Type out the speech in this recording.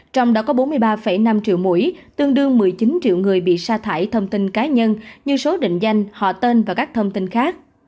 trong đó có bốn mươi ba năm triệu mũi tương đương một mươi chín triệu người bị sa thải thông tin cá nhân như số định danh họ tên và các thông tin khác